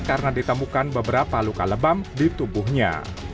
karena ditemukan beberapa luka lebam di tubuhnya